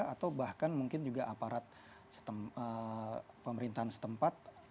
atau bahkan mungkin juga aparat pemerintahan setempat